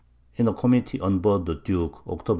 In a Committee on Board the Duke, _Octob.